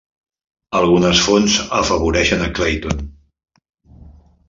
Algunes fonts afavoreixen a Clayton.